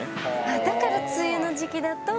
あだから梅雨の時期だと。